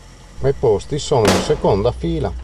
Ma i posti sono in seconda fila.